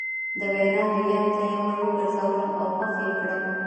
د وينا جريان ته يې ور ګرځولم او خوښ يې کړم.